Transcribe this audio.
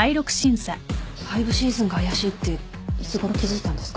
ファイブシーズンが怪しいっていつごろ気付いたんですか？